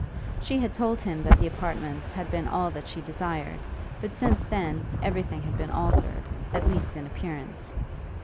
She had told him that the apartments had been all that she desired; but since then everything had been altered, at least in appearance.